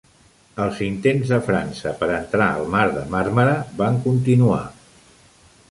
Els intents de França per entrar al Mar de Màrmara van continuar.